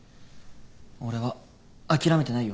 俺は諦めてないよ。